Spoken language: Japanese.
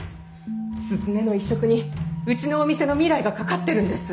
鈴音の移植にうちのお店の未来が懸かってるんです。